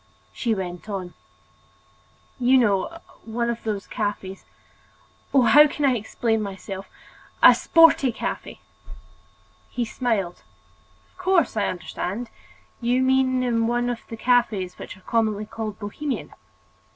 She went on: "You know, one of those cafes—oh, how can I explain myself?—a sporty cafe!" He smiled: "Of course, I understand—you mean in one of the cafes which are commonly called bohemian."